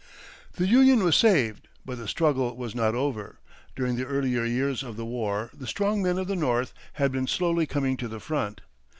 The Union was saved, but the struggle was not over. During the earlier years of the war the strong men of the North had been slowly coming to the front.